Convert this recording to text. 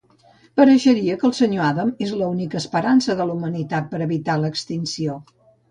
Pareixeria que el Sr. Adam és l'única esperança de la humanitat per evitar l'extinció.